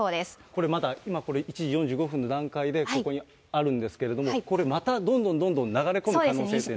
これまだ、１時間４５分の段階で、ここにあるんですけれども、これまたどんどんどんどん流れ込む可能性がというのが。